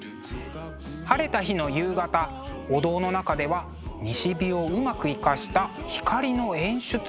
晴れた日の夕方お堂の中では西日をうまく生かした光の演出が見られます。